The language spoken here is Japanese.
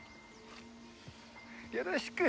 よろしく。